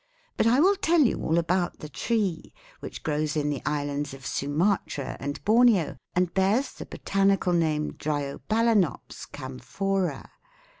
But I will tell you all about the tree, which grows in the islands of Sumatra and Borneo and bears the botanical name Dryobalanops camphora.